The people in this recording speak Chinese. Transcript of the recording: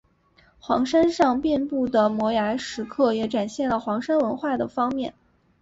黄山上遍布的摩崖石刻也展现了黄山的文化方面。